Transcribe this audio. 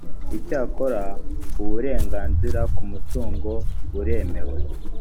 icyakora uburenganzira ku mutungo buremewe